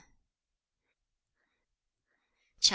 CHAP.